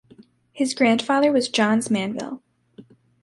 His grandfather was Johns Manville.